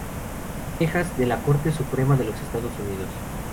Texas" de la Corte Suprema de los Estados Unidos.